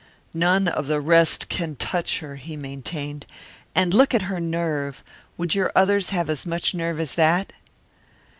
"None of the rest can touch her," he maintained. "And look at her nerve! Would your others have as much nerve as that?"